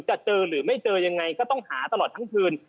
จะเจอหรือไม่เจอยังไงก็ต้องหาตลอดทั้งคืน